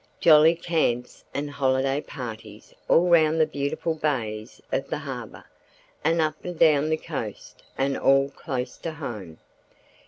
Jolly camps and holiday parties all round the beautiful bays of the harbour, and up and down the coast, and all close to home.